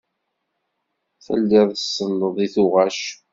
Telliḍ tselleḍ i tuɣac.